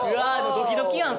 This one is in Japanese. ドキドキやん